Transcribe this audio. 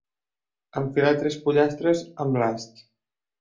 Enfilar tres pollastres amb l'ast.